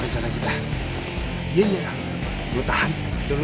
sini aku kasih tenangin